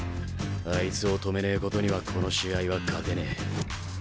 あいつを止めねえことにはこの試合は勝てねえ。